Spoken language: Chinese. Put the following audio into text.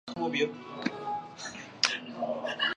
目前在全世界范围内都有养殖。